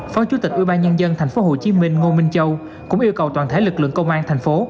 phó chủ tịch ubnd tp hcm ngô minh châu cũng yêu cầu toàn thể lực lượng công an thành phố